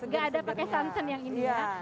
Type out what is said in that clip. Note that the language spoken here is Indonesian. gak ada pakai sunson yang ini ya